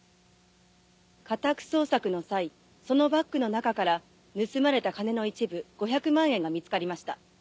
家宅捜索の際そのバッグの中から盗まれた金の一部５００万円が見つかりました。